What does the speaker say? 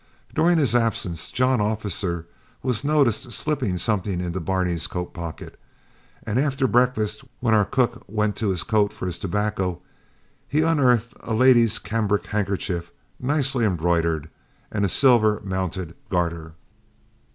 During his absence, John Officer was noticed slipping something into Barney's coat pocket, and after breakfast when our cook went to his coat for his tobacco, he unearthed a lady's cambric handkerchief, nicely embroidered, and a silver mounted garter.